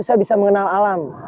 karena itu adalah hal alam